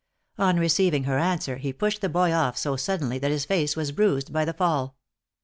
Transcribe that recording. On receiving her answer, he pushed the boy off so suddenly, that his face was bruised by the fall.